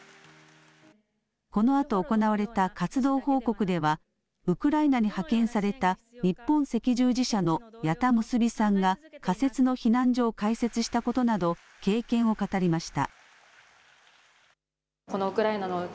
このあと行われた活動報告ではウクライナに派遣された日本赤十字社の矢田結さんが仮設の避難所を開設したことなど経験を語りました。